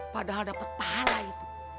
padahal dapet pahala itu